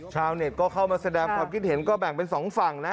ชาวเน็ตก็เข้ามาแสดงความคิดเห็นก็แบ่งเป็นสองฝั่งนะ